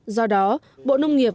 do đó bộ nông nghiệp